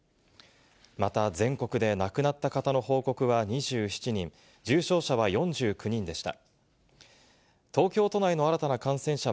また、全国で亡くなった方の報告は２７人、重症者は４９人でした。